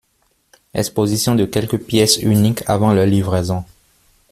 Exposition de quelques pièces uniques avant leur livraison.